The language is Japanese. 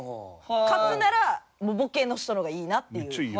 勝つならボケの人の方がいいなっていう。